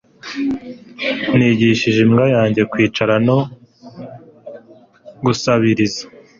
Nigishije imbwa yanjye kwicara no gusabiriza